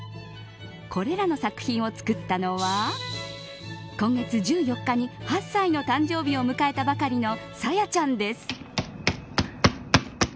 これらの作品を作ったのは今月１４日に８歳の誕生日を迎えたばかりのＳＡＹＡちゃんです。